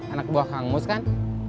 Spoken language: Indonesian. anak buah kang mus kan